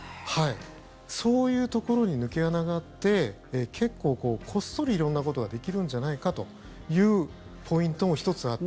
そういうところに抜け穴があって結構こっそり色んなことができるんじゃないかというポイントも１つあって。